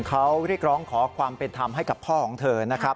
เขาเรียกร้องขอความเป็นธรรมให้กับพ่อของเธอนะครับ